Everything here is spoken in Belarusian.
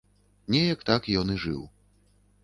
Неяк так ён і жыў.